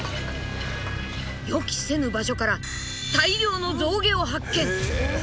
予期せぬ場所から大量の象牙を発見。